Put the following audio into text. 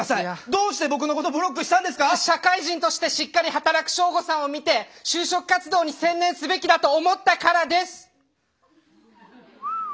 どうして僕のことブロックしたんですか⁉社会人としてしっかり働くショウゴさんを見て就職活動に専念すべきだと思ったからです！